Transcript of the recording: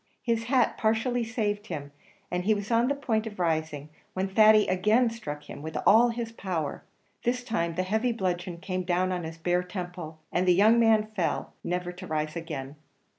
His hat partially saved him, and he was on the point of rising, when Thady again struck him with all his power; this time the heavy bludgeon came down on his bare temple, and the young man fell, never to rise again.